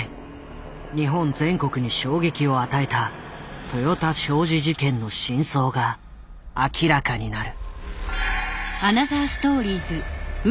日本全国に衝撃を与えた豊田商事事件の真相が明らかになる。